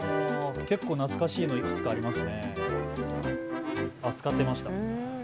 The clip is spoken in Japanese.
結構、懐かしいのいくつかありますね。